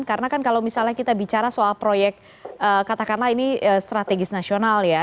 karena kan kalau misalnya kita bicara soal proyek katakanlah ini strategis nasional ya